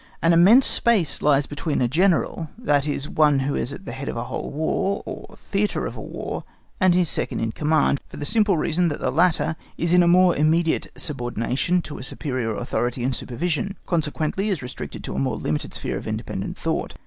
An immense space lies between a General—that is, one at the head of a whole War, or of a theatre of War—and his Second in Command, for the simple reason that the latter is in more immediate subordination to a superior authority and supervision, consequently is restricted to a more limited sphere of independent thought.